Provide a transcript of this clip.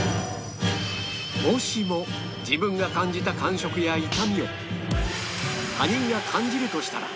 もしも自分が感じた感触や痛みを他人が感じるとしたら